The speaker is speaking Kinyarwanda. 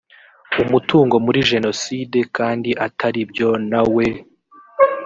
umutungo muri jenoside kandi atari byo na we